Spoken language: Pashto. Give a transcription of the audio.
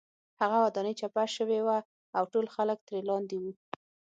هغه ودانۍ چپه شوې وه او ټول خلک ترې لاندې وو